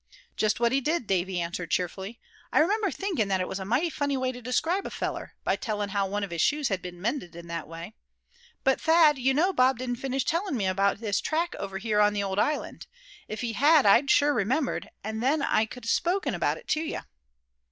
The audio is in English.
"Just what he did," Davy answered, cheerfully. "I remember thinkin' that it was a mighty funny way to describe a feller, by telling how one of his shoes had been mended in that way. But, Thad, you know Bob didn't finish tellin' me about this track over here on the old island. If he had, I'd sure remembered; and then I c'd have spoken about it to you."